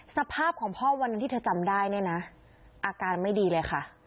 สภาพของพ่อวันหนึ่งที่เธอจำได้เนี่ยนะอาการไม่ดีเลยค่ะ